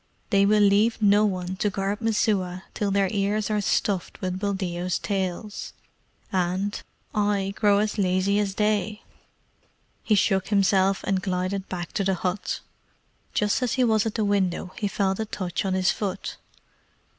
They will leave no one to guard Messua till their ears are stuffed with Buldeo's tales. And I grow as lazy as they!" He shook himself and glided back to the hut. Just as he was at the window he felt a touch on his foot.